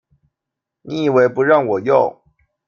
你以為不讓我用